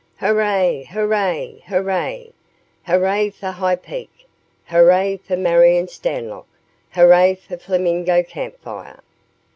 "Hooray, hooray, hooray! Hooray for High Peak! Hooray for Marion Stanlock! Hooray for Flamingo Camp Fire."